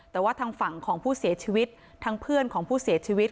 แต่ว่าทางฝั่งของผู้เสียชีวิต